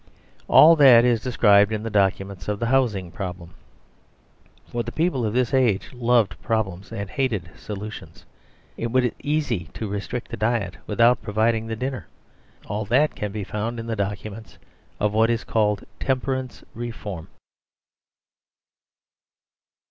All that is described in the documents of the Housing Problem; for the people of this age loved problems and hated solutions. It was easy to restrict the diet without providing the dinner. All that can be found in the documents of what is called Temperance Reform.